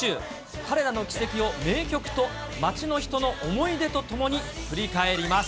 彼らの軌跡を名曲と街の人の思い出とともに振り返ります。